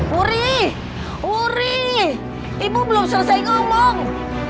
wuri wuri ibu belum selesai ngomong